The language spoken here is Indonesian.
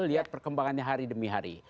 lihat perkembangannya hari demi hari